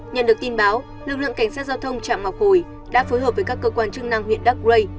nhận được tin báo lực lượng cảnh sát giao thông trạm ngọc hồi đã phối hợp với các cơ quan chức năng huyện đắc rây